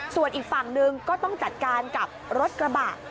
ส่วนอีกฝั่งหนึ่งก็ต้องจัดการกับรถกระบะ